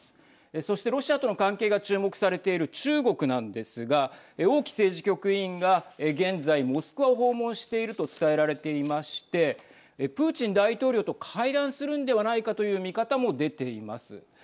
そしてロシアとの関係が注目されている中国なんですが王毅政治局委員が現在、モスクワを訪問していると伝えられていましてプーチン大統領と会談するんではないかという見方も出ています。